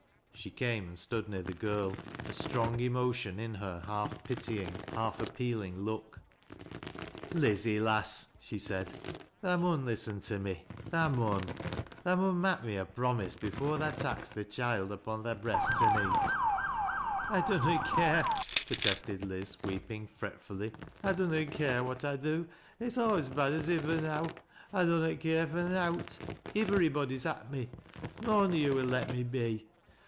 ■* She came and stood near the gii'l, a strong emotion in _ her half pitying, half appealing look. " LizziCj lass !" she said. " Tha mun listen to me, — tha mun. Tha mun mak' me a promise before tha tak's thy choild upo' thy breast to neet." " I dunnot care," protested Liz, weeping fretfully. " I dunnot care what I do. It's aw as bad as ivver now. 1 dunnot care for nowt. Ivverybody's at me — ^noan on yo' will let me a be.